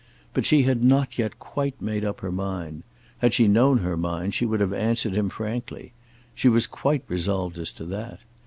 But she had not yet quite made up her mind. Had she known her mind, she would have answered him frankly. She was quite resolved as to that.